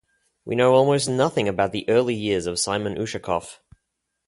We know almost nothing about the early years of Simon Ushakov.